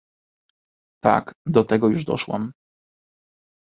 "Tak, do tego już doszłam!"